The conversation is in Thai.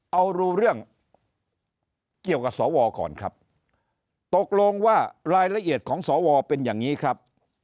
เอารู้เรื่องเกี่ยวกับสวก่อนครับตกลงว่ารายละเอียดของสวเป็นอย่างนี้ครับ